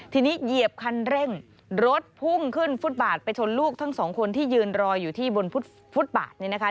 ทีนี้เหยียบคันเร่งรถพุ่งขึ้นฟุตบาทไปชนลูกทั้งสองคนที่ยืนรออยู่ที่บนฟุตบาทนี่นะคะ